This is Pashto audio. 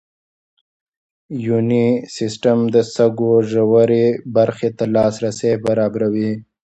یوني سیسټم د سږو ژورې برخې ته لاسرسی برابروي.